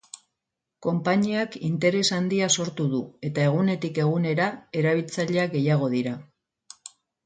Konpainiak interes handia sortu du eta egunetik egunera, erabiltzaileak gehiago dira.